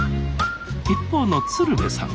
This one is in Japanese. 一方の鶴瓶さん。